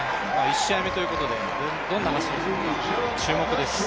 １試合目ということでどんな走りをするのか注目です。